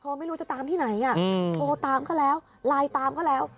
ไม่รู้จะตามที่ไหนโทรตามก็แล้วไลน์ตามก็แล้ว